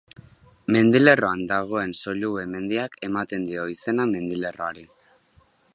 Mendilerroan dagoen Sollube mendiak ematen dio izena mendilerroari.